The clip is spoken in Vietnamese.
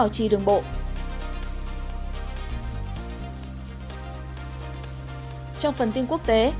các phần tin quốc tế